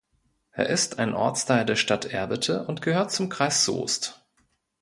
Er ist ein Ortsteil der Stadt Erwitte und gehört zum Kreis Soest.